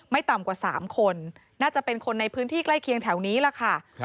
ต่ำกว่า๓คนน่าจะเป็นคนในพื้นที่ใกล้เคียงแถวนี้ล่ะค่ะ